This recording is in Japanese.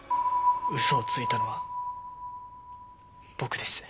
嘘をついたのは僕です。